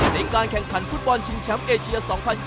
ในการแข่งขันฟุตบอลชิงแชมป์เอเชีย๒๐๒๐